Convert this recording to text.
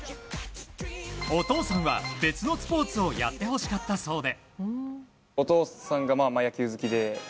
お父さんは別のスポーツをやってほしかったそうで。